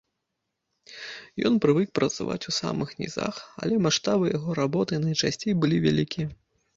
Ён прывык працаваць у самых нізах, але маштабы яго работы найчасцей былі вялікія.